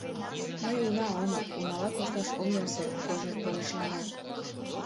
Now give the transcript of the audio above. — Мый уна омыл, унала кошташ ом ярсе, — Кожер торешлана.